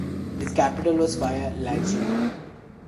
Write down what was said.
Its capital was Faya-Largeau.